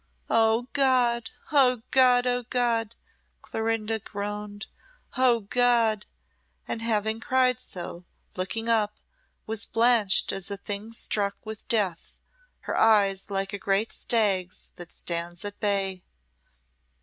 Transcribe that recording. "O God! O God! O God!" Clorinda groaned "O God!" and having cried so, looking up, was blanched as a thing struck with death, her eyes like a great stag's that stands at bay.